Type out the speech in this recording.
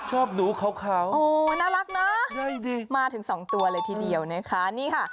ชอบหนูขาวโอ้น่ารักนะมาถึงสองตัวเลยทีเดียวนะคะนี่ค่ะ